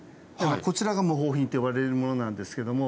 こちらが模倣品と呼ばれるものなんですけども。